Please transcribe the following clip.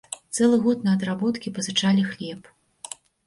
Цэлы год на адработкі пазычалі хлеб.